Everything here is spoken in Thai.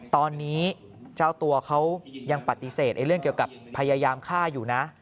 ตอนนี้เจ้าตัวเขายังปฏิเสธเรื่องเกี่ยวกับพยายามฆ่าอยู่นะ